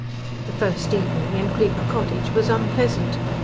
XV The first evening in Creeper Cottage was unpleasant.